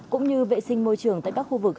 cũng như vệ sinh môi trường tại các khu vực